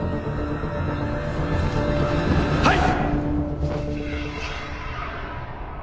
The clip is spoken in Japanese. はい！